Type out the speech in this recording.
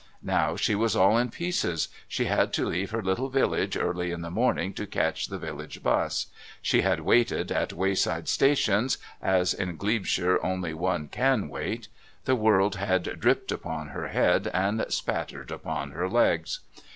Now she was all in pieces; she had had to leave her little village early in the morning to catch the village bus; she had waited at wayside stations, as in Glebeshire only one can wait; the world had dripped upon her head and spattered upon her legs.